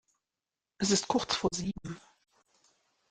Es ist kurz vor sieben.